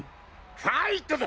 ファイトだ！